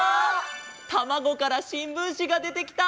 たまごからしんぶんしがでてきた！